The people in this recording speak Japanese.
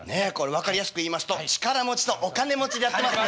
分かりやすく言いますと力持ちとお金持ちでやってます。